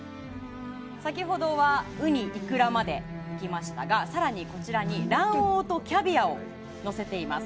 先ほどはウニ、イクラまでいきましたが更に、こちらに卵黄とキャビアをのせています。